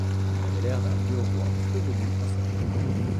Il avait l'air d'un vieux roi chevelu à sa fenêtre.